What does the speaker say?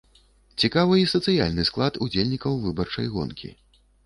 Цікавы і сацыяльны склад удзельнікаў выбарчай гонкі.